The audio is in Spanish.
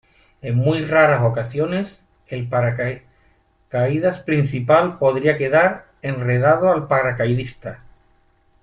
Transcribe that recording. En muy raras ocasiones, el paracaídas principal podría quedar enredado al paracaidista.